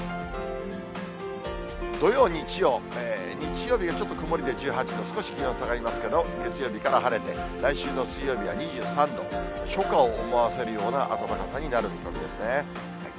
土曜、日曜、日曜日はちょっと曇りで１８度、少し気温下がりますけど、月曜日から晴れて、来週の水曜日は２３度、初夏を思わせるような暖かさになる見込みですね。